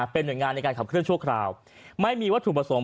เป็นหน่วยงานในการขับเครื่องชั่วคราวไม่มีวัตถุผสม